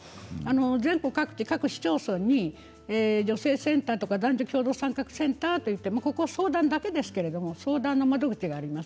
全国各地、各市町村に女性センターとか男女共同参画センターといってここは相談だけですけれど相談の窓口があります。